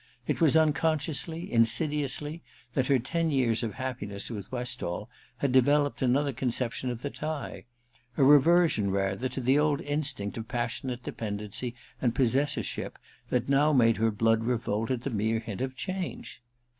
It was unconsciously, insidi ously, that her ten years of happiness with Westall had developed another conception of the tie ; a reversion, rather, to the old instinct of passionate dependency and possessorship that now made her blood revolt at the mere hint of change.